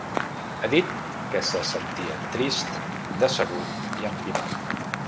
Ha dit que se sentia ‘trist, decebut i empipat’.